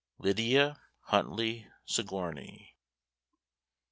LYDIA HUNTLEY SIGOURNEY.